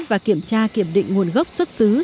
và kiểm tra kiểm định nguồn gốc xuất xứ